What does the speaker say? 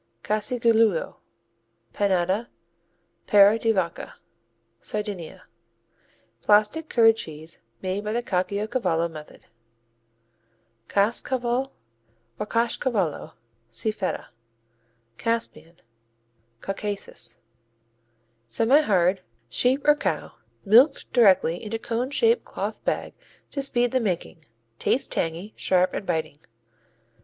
Casigiolu, Panedda, Pera di vacca Sardinia Plastic curd cheese, made by the Caciocavallo method. Caskcaval or Kaschcavallo see Feta. Caspian Caucasus Semihard. Sheep or cow, milked directly into cone shaped cloth bag to speed the making. Tastes tangy, sharp and biting.